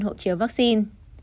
hộ chiếu vaccine